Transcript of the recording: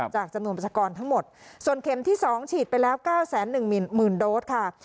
จำนวนประชากรทั้งหมดส่วนเข็มที่๒ฉีดไปแล้ว๙๑๐๐๐โดสค่ะ